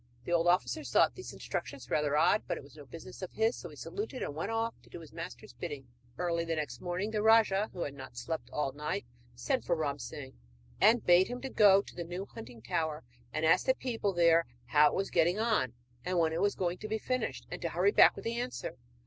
The old officer thought these instructions rather odd, but it was no business of his, so he saluted, and went off to do his master's bidding. Early in the morning the rajah, who had not slept all night, sent for Ram Singh, and bade him go to the new hunting tower, and ask the people there how it was getting on and when it was going to be finished, and to hurry back with the answer!